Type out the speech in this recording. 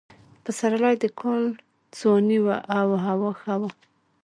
پسرلی د کال ځواني وه او هوا ښه وه.